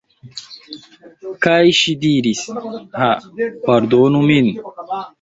Kaj ŝi diris: "Ha, pardonu min."